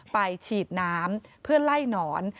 ฉีดน้ำเพื่อไล่หนอน